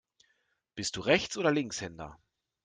Bist du Rechts- oder Linkshänder?